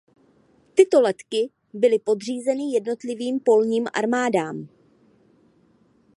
Tyto letky byly podřízeny jednotlivým polním armádám.